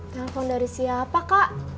telepon dari siapa kak